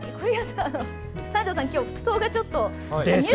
三條さん、服装がちょっと。